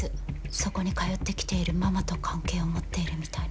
そこに通ってきているママと関係を持っているみたいなんです。